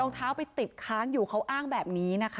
เท้าไปติดค้างอยู่เขาอ้างแบบนี้นะคะ